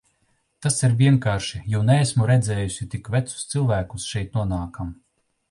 Tas ir vienkārši, jo neesmu redzējusi tik vecus cilvēkus šeit nonākam.